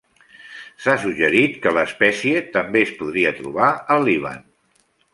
S'ha suggerit que l'espècie també es podria trobar al Líban.